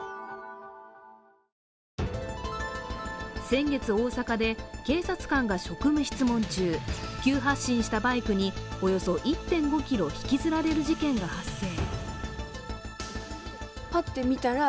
先月、大阪で警察官が職務質問中急発進したバイクにおよそ１．５ｋｍ引きずられる事件が発生。